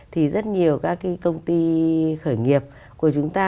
thì rất nhiều các cái công ty khởi nghiệp của chúng ta